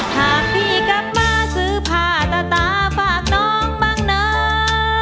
หากพี่กลับมาซื้อผ้าตาฝากน้องบ้างนะ